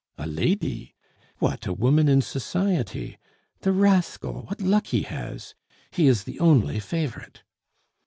"A lady! What, a woman in society; the rascal, what luck he has! He is the only favorite!"